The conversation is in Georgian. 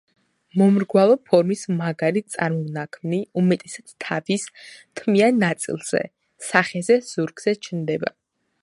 მომრგვალო ფორმის მაგარი წარმონაქმნი უმეტესად თავის თმიან ნაწილზე, სახეზე, ზურგზე ჩნდება.